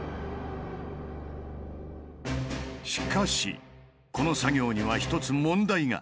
しかしこの作業には１つ問題が。